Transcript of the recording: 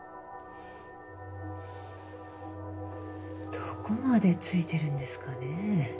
どこまでついてるんですかねえ